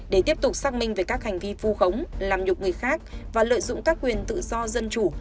để tiếp tục xác minh về các hành vi vu khống làm nhục người khác và lợi dụng các quyền tự do dân chủ